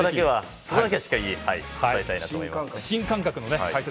そこだけはしっかり伝えたいなと思います。